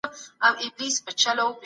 ذمي زموږ په امن کي د پوره حقونو خاوند دی.